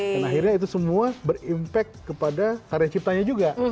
dan akhirnya itu semua berimpact kepada karya ciptanya juga